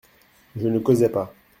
Je ne causais pas.